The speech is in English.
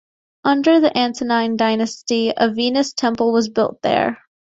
Under the Antonine dynasty, a Venus temple was built there.